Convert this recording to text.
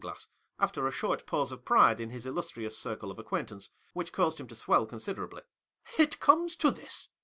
•;/ ass, ai'ti r :i short pause of pride in his illustrious circle of acquaintance, which caused him to swell considerably, "it < to this.